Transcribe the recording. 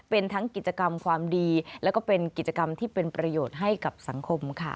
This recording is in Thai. เป็นทั้งกิจกรรมความดีแล้วก็เป็นกิจกรรมที่เป็นประโยชน์ให้กับสังคมค่ะ